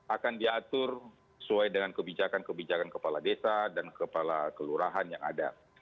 akan diatur sesuai dengan kebijakan kebijakan kepala desa dan kepala kelurahan yang ada